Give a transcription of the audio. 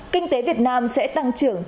kinh tế việt nam sẽ tăng trưởng